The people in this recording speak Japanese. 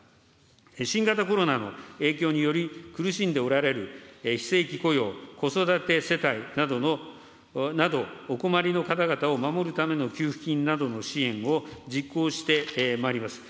新型コロナの影響により、苦しんでおられる非正規雇用、子育て世帯などの、などお困りの方々を守るための給付金などの支援を実行してまいります。